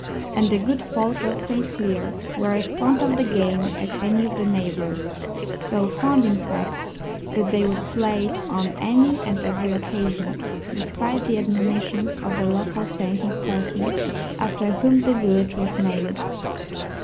And the good folk of St. Cleer were as fond of the game as any of their neighbours so fond, in fact, that they would play it on any and every occasion, despite the admonitions of their local saint and parson, after whom the village was named.